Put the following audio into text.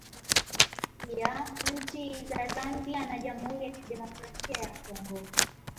Pia nchi za Zambia na Jamhuri ya Kidemokrasia ya Congo